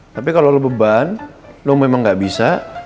tapi kalau kamu beban kamu memang nggak bisa